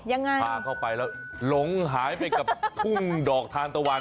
ยังไงพาเข้าไปแล้วหลงหายไปกับทุ่งดอกทานตะวัน